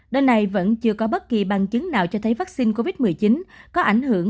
đến nay vẫn chưa có bất kỳ bằng chứng nào cho thấy vaccine covid một mươi chín có ảnh hưởng